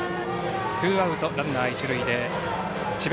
ツーアウト、ランナー一塁で智弁